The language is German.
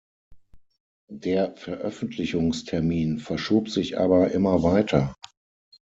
Der Veröffentlichungstermin verschob sich aber immer weiter.